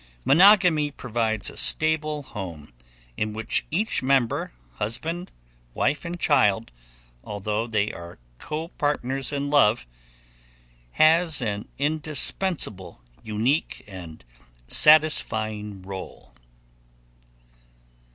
Monogamy provides a stable home in which each member husband, wife and child although they are copartners in love, has an indispensable, unique, and satisfying role.